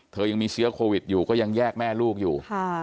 ยังมีเชื้อโควิดอยู่ก็ยังแยกแม่ลูกอยู่